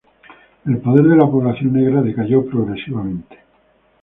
El poder de la población negra decayó progresivamente.